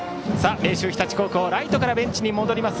明秀日立高校ライトからベンチに戻ります